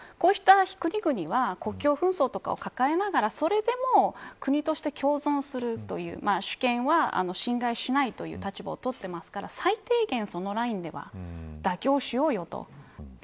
ただ、こうした国々は国境紛争とかを抱えながらそれでも国として共存するという主権は侵害しないという立場をとっていますから最低限そのラインでは妥協しようよと。